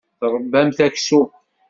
Tṛebbamt aksum.